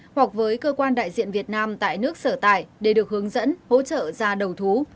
hoặc với cơ quan đại diện việt nam tại nước sở tại để được hướng dẫn hỗ trợ ra đầu thú